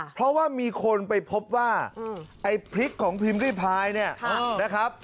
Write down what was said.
เพราะว่ามีคนไปพบว่าไอ้พริกของพิมพ์ริพายเนี่ยนะครับ